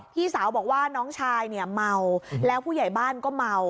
พี่สาวบอกว่าน้องชายเนี่ยเมาแล้วผู้ใหญ่บ้านก็เมา